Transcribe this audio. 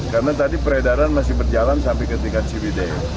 karena tadi peredaran masih berjalan sampai ketika cbd